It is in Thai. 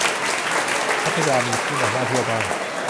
พัทยามีที่ไหนน่าเที่ยวบ้าง